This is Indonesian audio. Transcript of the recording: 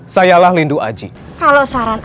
sayalah lindu aji kalau saran